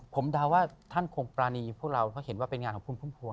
ผมเดาว่าท่านคงปรานีพวกเราเพราะเห็นว่าเป็นงานของคุณพุ่มพวง